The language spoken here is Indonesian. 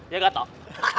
iya gak tau